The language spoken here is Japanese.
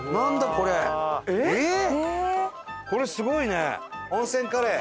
これすごいね！